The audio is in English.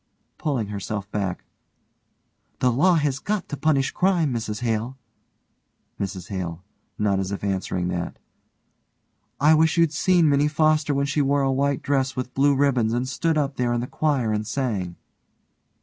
(pulling herself back) The law has got to punish crime, Mrs Hale. MRS HALE: (not as if answering that) I wish you'd seen Minnie Foster when she wore a white dress with blue ribbons and stood up there in the choir and sang.